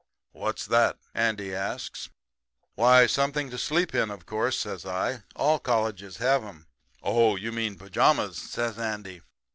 "'What's that?' Andy asks. "'Why, something to sleep in, of course,' says I. 'All colleges have 'em.' "'Oh, you mean pajamas,' says Andy.